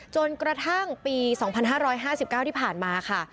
จนกระทั่งปี๒๕๕๙ที่ผ่านมาค่ะ